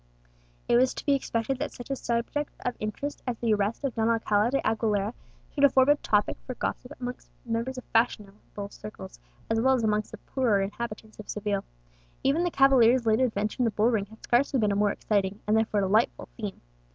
It was to be expected that such a subject of interest as the arrest of Don Alcala de Aguilera should afford a topic for gossip amongst members of fashionable circles, as well as amongst the poorer inhabitants of Seville. Even the cavalier's late adventure in the bull ring had scarcely been a more exciting, and therefore delightful, theme.